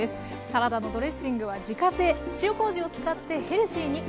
サラダのドレッシングは自家製塩こうじを使ってヘルシーに。